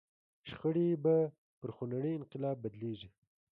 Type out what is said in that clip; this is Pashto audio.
شخړې به پر خونړي انقلاب بدلېږي.